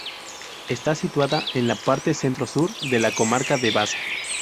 Está situada en la parte centro-sur de la comarca de Baza.